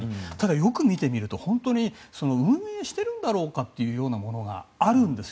よく見てみると運営しているんだろうかというものがあるんですよ